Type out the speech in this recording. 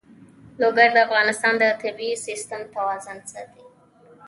لوگر د افغانستان د طبعي سیسټم توازن ساتي.